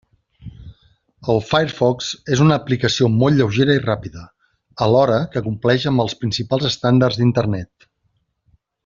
El Firefox és una aplicació molt lleugera i ràpida, alhora que compleix amb els principals estàndards d'Internet.